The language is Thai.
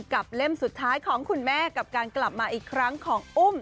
เล่มสุดท้ายของคุณแม่กับการกลับมาอีกครั้งของอุ้ม